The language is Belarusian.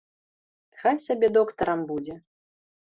Хай сабе доктарам будзе.